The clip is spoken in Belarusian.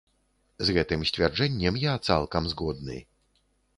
З гэтым сцвярджэннем я цалкам згодны.